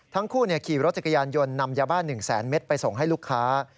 ทั้งคู่ขี่รถจักรยานยนต์นำยาบ้า๑แสนเมตรไปส่งให้ลูกค้า